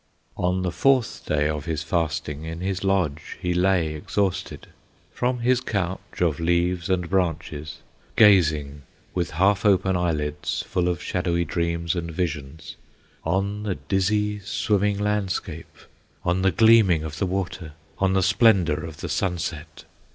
On the fourth day of his fasting In his lodge he lay exhausted; From his couch of leaves and branches Gazing with half open eyelids, Full of shadowy dreams and visions, On the dizzy, swimming landscape, On the gleaming of the water, On the splendor of the sunset.